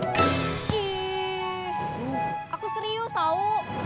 gih aku serius tau